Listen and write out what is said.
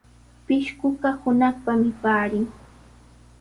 Pishquqa hunaqpami paarin.